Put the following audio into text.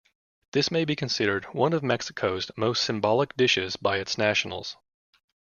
This may be considered one of Mexico's most symbolic dishes by its nationals.